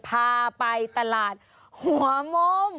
พาไปตลาดหัวมุม